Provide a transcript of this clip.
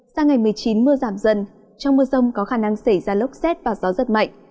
sang ngày một mươi chín mưa giảm dần trong mưa rông có khả năng xảy ra lốc xét và gió rất mạnh